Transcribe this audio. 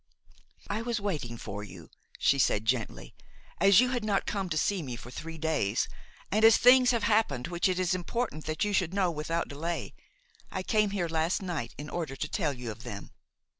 "I was waiting for you," she said gently; "as you had not come to see me for three days, and as things have happened which it is important that you should know without delay, I came here last night in order to tell you of them."